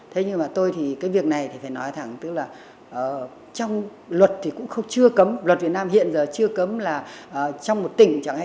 nhưng mà tôi thì cái này tôi lại nghĩ là trách nhiệm vào các đồng chí đấy